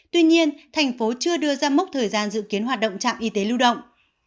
tuy nhiên thành phố chưa đưa ra mốc thời gian dự kiến hoạt động trạm y tế lưu động